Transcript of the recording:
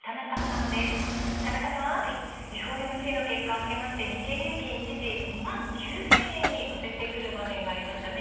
ＦＯＭＣの結果を受けまして日経平均、２万９０００円にのせてくる場面もありましたね